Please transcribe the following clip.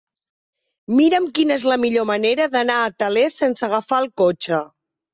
Mira'm quina és la millor manera d'anar a Tales sense agafar el cotxe.